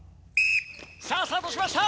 さぁスタートしました